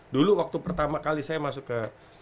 dulu waktu pertama kali saya masuk ke